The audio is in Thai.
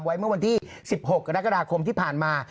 เมื่อวันที่๑๖กรกฎาคมที่ผ่านมา